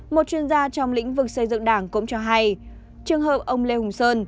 một chuyên gia trong lĩnh vực xây dựng đảng cũng cho hay trường hợp ông lê hùng sơn